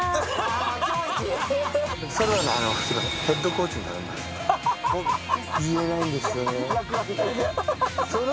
ヘッドコーチに頼みます。